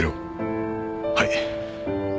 はい。